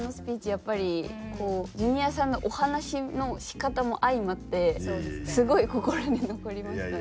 やっぱりこうジュニアさんのお話の仕方も相まってすごい心に残りました。